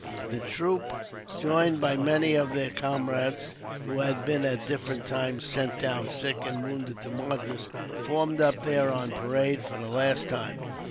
The troop, joined by many of their comrades, who had been at different times sent down sick and wounded to Madras, formed up there on parade for the last time.